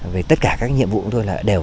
vì tất cả các nhiệm vụ thôi là đều